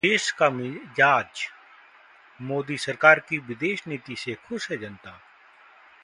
देश का मिजाजः मोदी सरकार की विदेश नीति से खुश है जनता